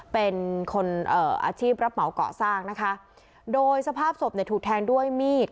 เป็นคนเอ่ออาชีพรับเหมาก่อสร้างนะคะโดยสภาพศพเนี่ยถูกแทงด้วยมีด